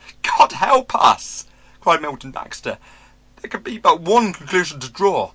"God help us," cried Milton Baxter, "there can be but one conclusion to draw.